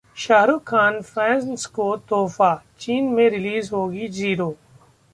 शाहरुख खान का फैंस को तोहफा, चीन में रिलीज होगी 'जीरो'!